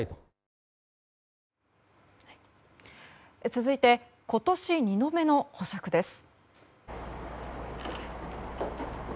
続いて今年２度目の保釈です。